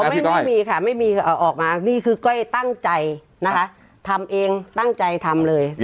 ไม่มีค่ะไม่มีออกมานี่คือก้อยตั้งใจนะคะทำเองตั้งใจทำเลย